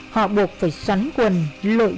họ buộc phải xoắn quần lội bộ vào rừng